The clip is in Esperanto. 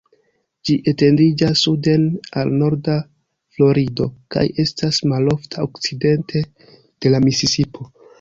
Ĝi etendiĝas suden al norda Florido, kaj estas malofta okcidente de la Misisipo.